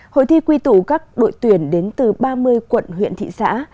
hội thi quy tụ các đội tuyển đến từ ba mươi quận huyện thị xã